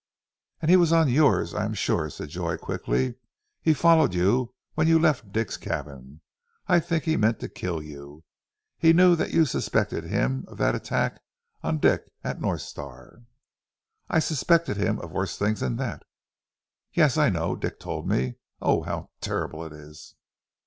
"And he was on yours, I am sure," said Joy quickly. "He followed you when you left Dick's cabin. I think he meant to kill you. He knew that you suspected him of that attack on Dick at North Star " "I suspected him of worse things than that." "Yes, I know. Dick told me. Oh, how terrible it is!"